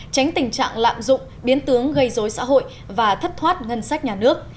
tránh tình trạng lạm dụng biến tướng gây dối xã hội và thất thoát ngân sách nhà nước